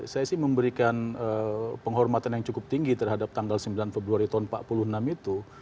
saya sih memberikan penghormatan yang cukup tinggi terhadap tanggal sembilan februari tahun seribu sembilan ratus empat puluh enam itu